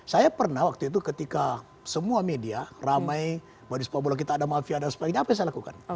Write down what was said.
saya pernah waktu itu ketika semua media ramai modis pabula kita ada mafia dan sebagainya apa yang saya lakukan